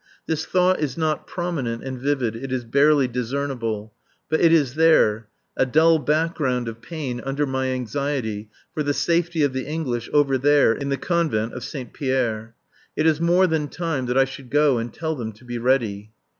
This thought is not prominent and vivid; it is barely discernible; but it is there, a dull background of pain under my anxiety for the safety of the English over there in the Couvent de Saint Pierre. It is more than time that I should go and tell them to be ready.